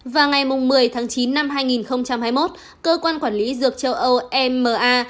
vào ngày một mươi tháng chín năm hai nghìn hai mươi một cơ quan quản lý dược châu âu ema